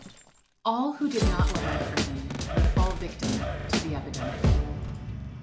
All who did not lament for him would fall victim to the epidemic.